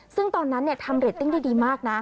ซึ่งตอนนั้นทำเรตติ้งได้ดีมากนะ